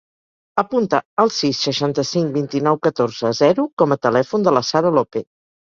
Apunta el sis, seixanta-cinc, vint-i-nou, catorze, zero com a telèfon de la Sara Lope.